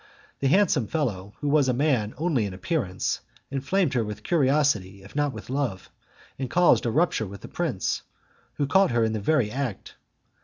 The handsome fellow, who was a man only in appearance, inflamed her with curiosity if not with love, and caused a rupture with the prince, who caught her in the very act.